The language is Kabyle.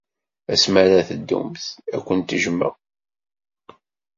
Asmi ara teddumt, ad kent-jjmeɣ.